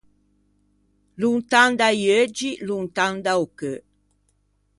Lontan da-i euggi, lontan da-o cheu.